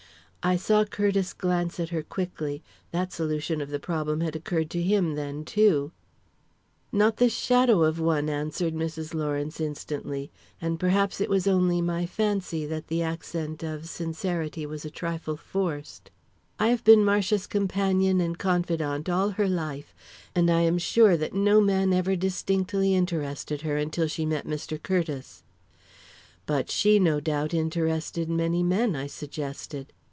I saw Curtiss glance at her quickly. That solution of the problem had occurred to him, then, too! "Not the shadow of one," answered Mrs. Lawrence instantly, and perhaps it was only my fancy that the accent of sincerity was a trifle forced. "I have been Marcia's companion and confidante all her life, and I am sure that no man ever distinctly interested her until she met Mr. Curtiss." "But she no doubt interested many men," I suggested.